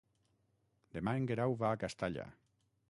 Demà en Guerau va a Castalla.